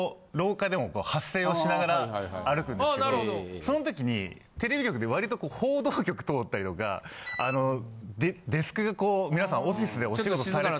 そのときにテレビ局ってわりと報道局通ったりとかあのデスクがこう皆さんオフィスでお仕事されてる。